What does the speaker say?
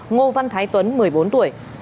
ngô văn thái tuấn một mươi bốn tuổi